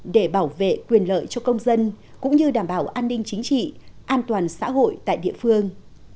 để bảo vệ quyền lợi cho công dân cũng như đảm bảo an ninh chính trị an toàn xã hội tại địa phương